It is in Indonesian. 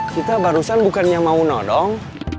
kita barusan bukannya mau nodong